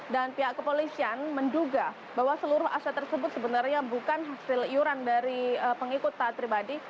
dan pihak kepolisian menduga bahwa seluruh aset tersebut sebenarnya bukan hasil iuran dari pengikut taat pribadi